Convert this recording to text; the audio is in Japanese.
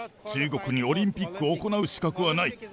中国にオリンピックを行う資格はない。